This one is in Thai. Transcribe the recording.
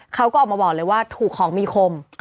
เขาก็ออกมาบอกเลยว่าถูกของมีคม